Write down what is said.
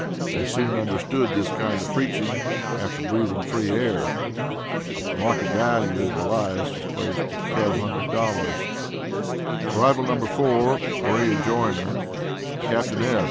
They soon understood this kind of preaching after breathing free air. The market value of Elias was placed at $1200. Arrival, No. 4. Maria Joiner. Captain F.